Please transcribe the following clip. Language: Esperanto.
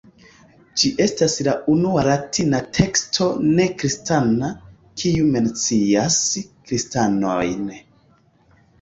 Ĝi estas la unua Latina teksto ne-kristana, kiu mencias kristanojn.